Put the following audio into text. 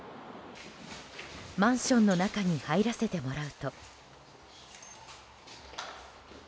マンションの中に入らせてもらうと。